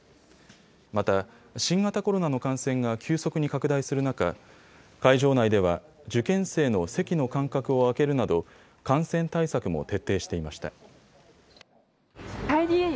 また、新型コロナの感染が急速に拡大する中、会場内では受験生の席の間隔を空けるなど感染対策も